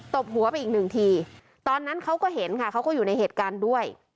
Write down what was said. บหัวไปอีกหนึ่งทีตอนนั้นเขาก็เห็นค่ะเขาก็อยู่ในเหตุการณ์ด้วย